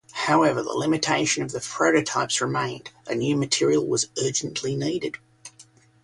However the limitation of the prototypes remained, a new material was urgently needed.